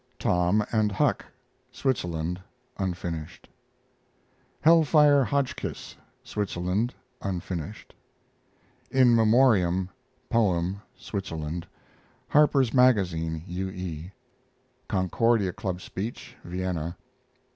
TOM AND HUCK (Switzerland) (unfinished). HELLFIRE HOTCHKISS (Switzerland) (unfinished). IN MEMORIAM poem (Switzerland) Harper's Magazine. U. E. Concordia Club speech (Vienna).